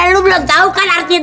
lu belum tau kan artinya dl